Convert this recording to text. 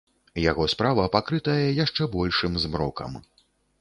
Яго справа пакрытая яшчэ большым змрокам.